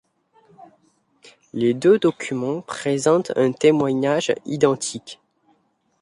Les deux documents présentent un témoignage identiques.